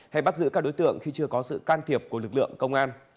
hay bắt giữ các đối tượng khi chưa có sự can thiệp của lực lượng công an